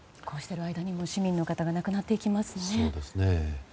こうしている間にも市民の方々が亡くなっていきますね。